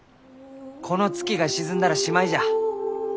この月が沈んだらしまいじゃ。